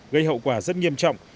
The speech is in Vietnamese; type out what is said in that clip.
gây hậu quả rất nghiêm trọng